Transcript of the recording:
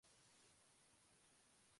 Carter, que observó la escena, lo fotografió.